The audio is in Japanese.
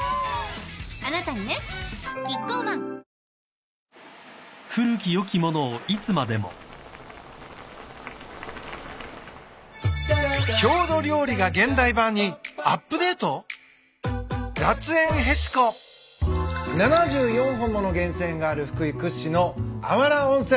あなたにねキッコーマン７４本もの源泉がある福井屈指のあわら温泉。